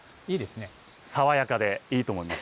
爽やかでいいと思います。